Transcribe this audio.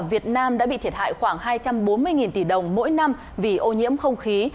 việt nam đã bị thiệt hại khoảng hai trăm bốn mươi tỷ đồng mỗi năm vì ô nhiễm không khí